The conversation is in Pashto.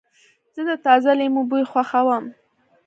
زه د تازه لیمو بوی خوښوم.